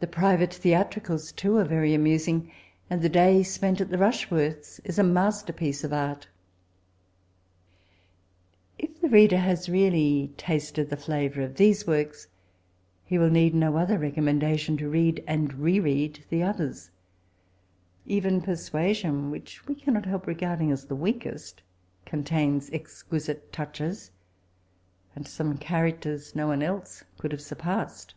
The private theatricals, too, are very amus ing ; and the day spent at the Rash worths' is a masterpiece of art If the reader has really tasted the favour of these works, he will need no other recommendation to read and re read the others. Even Persua sion, which we cannot help regarding as the weakest, contains exquisite touches, and some characters no one else could have surpassed.